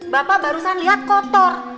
bapak barusan lihat kotor